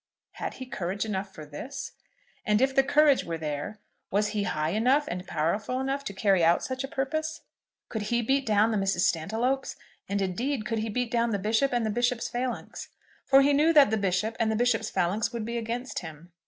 Had he courage enough for this? And if the courage were there, was he high enough and powerful enough to carry out such a purpose? Could he beat down the Mrs. Stantiloups? And, indeed, could he beat down the Bishop and the Bishop's phalanx; for he knew that the Bishop and the Bishop's phalanx would be against him?